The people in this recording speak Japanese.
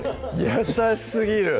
優しすぎる！